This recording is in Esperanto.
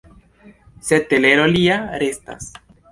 Sed telero lia restas.